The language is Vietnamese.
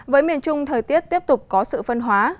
với miền trung thời tiết tiếp tục có sự phân hóa